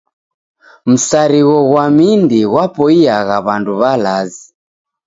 Msarigho gwa mindi gwapoiyagha w'andu w'alazi.